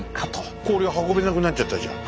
氷が運べなくなっちゃったじゃん。